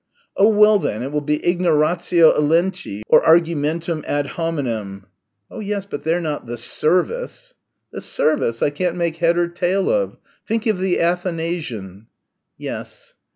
"Oh, well, then it will be ignoratio elenchi or argumentum ad hominem " "Oh, yes, but they're not the service." "The service I can't make head or tail of think of the Athanasian." "Yes."